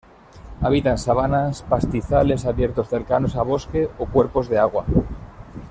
Habita en sabanas, pastizales abiertos cercanos a bosque o cuerpos de agua.